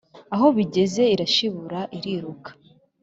aho bigeze irashibura, iriruka.